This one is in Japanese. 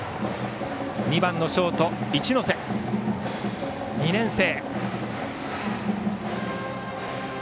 ２番のショート一ノ瀬、２年生。